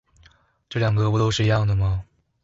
這兩個不都是一樣的嗎?